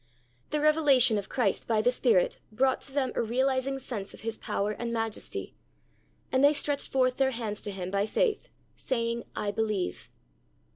The revelation of Christ by the Spirit brought to them a realizing sense of His power and majesty, and they stretched forth their hands to Him by faith, saying, "I believe."